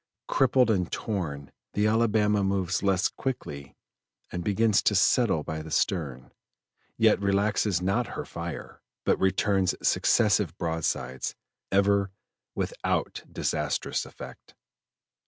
Crippled and torn the Alabama moves less quickly and begins to settle by the stern, yet relaxes not her fire, but returns successive broadsides, ever without disastrous effect.